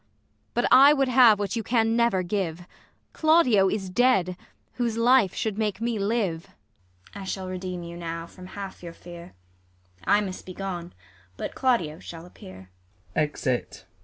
But I would have what you can never give ; Claudio is dead, whose life should make me live. ISAB. I shall redeem you now from half your fear ; I must be gone, but Claudio shall appear.